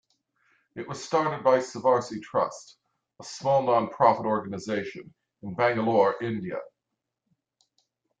It was started by Sivasri Trust, a small non-profit organization, in Bangalore, India.